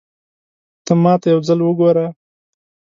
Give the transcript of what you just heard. ته ماته يو ځل وګوره